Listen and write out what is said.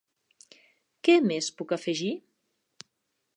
Què més puc afegir?